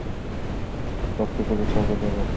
শক্ত করে চেপে ধরে রাখ তুমি কি বুঝতে পেরেছো?